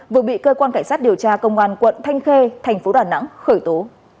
vừa bị cơ quan cảnh sát điều tra công an quận thanh khê tp đà nẵng khởi tố